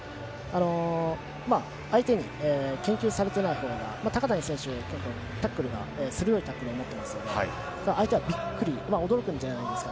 相手に研究されていないほうが高谷選手のほうが鋭いタックルを持ってますので相手は驚くんじゃないですか？